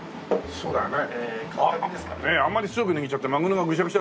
そうだよね